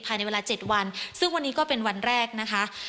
ภายในเวลา๗วันซึ่งวันนี้ก็เป็นวันแรกนะคะ